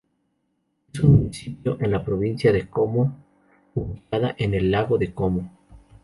Es un municipio en la provincia de Como, ubicada en el lago de Como.